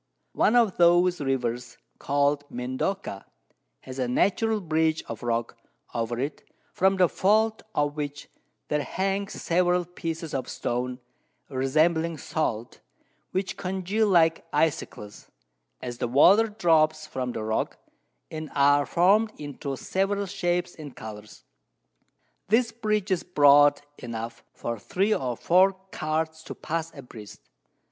One of those Rivers, call'd Mendoca, has a natural Bridge of Rock over it, from the Vault of which there hangs several Pieces of Stone, resembling Salt, which congeal like Icecles, as the Water drops from the Rock, and are form'd into several Shapes and Colours. This Bridge is broad enough for 3 or 4 Carts to pass a breast.